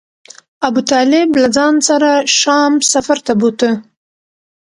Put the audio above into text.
ابو طالب له ځان سره شام سفر ته بوته.